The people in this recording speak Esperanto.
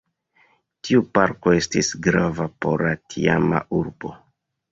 Tiu parko estis grava por la tiama urbo.